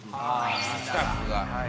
スタッフが。